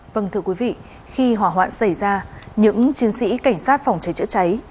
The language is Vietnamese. vâng thưa quý vị khi hỏa hoạn xảy ra những chiến sĩ cảnh sát phòng cháy chữa cháy